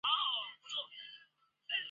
中途遇到京兆尹解恽和定陶王刘祉。